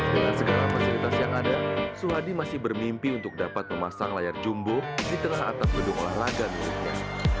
dengan segala fasilitas yang ada suhadi masih bermimpi untuk dapat memasang layar jumbo di tengah atap gedung olahraga miliknya